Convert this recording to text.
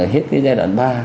hết cái giai đoạn ba